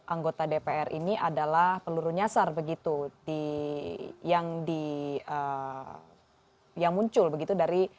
anggota dpr ini adalah peluru nyasar begitu yang muncul begitu dari